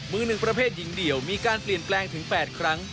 มือหนึ่งประเภทหญิงเดี่ยวมีการเปลี่ยนแปลงถึง๘ครั้ง